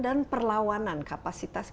dan perlawanan kapasitas